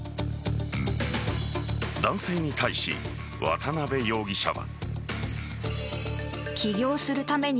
男性に対し、渡辺容疑者は。